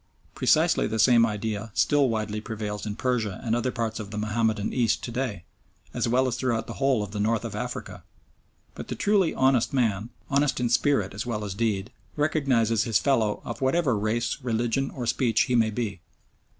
Precisely the same idea still widely prevails in Persia and other parts of the Mahomedan East to day, as well as throughout the whole of the North of Africa. But the truly honest man, honest in spirit as well as deed, recognises his fellow of whatever race, religion, or speech he may be.